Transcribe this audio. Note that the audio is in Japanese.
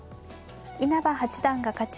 稲葉八段が勝ち